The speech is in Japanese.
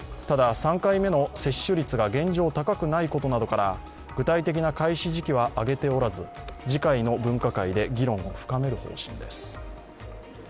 ただ、３回目の接種率が現状高くないことなどから具体的な開始時期は挙げておらず、次回の分科会で議論を深める方針です。